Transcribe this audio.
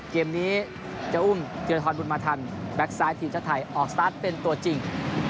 เกมนี้จะอุ้มธิรทรบุญมาทันแบ็คซ้ายทีมชาติไทยออกสตาร์ทเป็นตัวจริง